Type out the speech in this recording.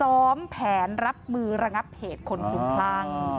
ซ้อมแผนรับมือระงับเหตุคนคลุมคลั่ง